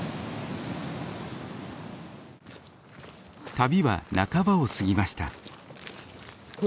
旅は半ばを過ぎました。